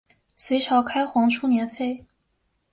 隋朝开皇初年废。